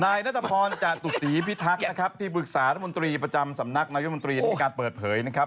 นายนัตรพรจาตุ๋ตีพิทักษ์ที่บรึกษารับบริมิตรีประจำสำนักนายวิทยาลัยมนตรีมีการเปิดเผยนะครับ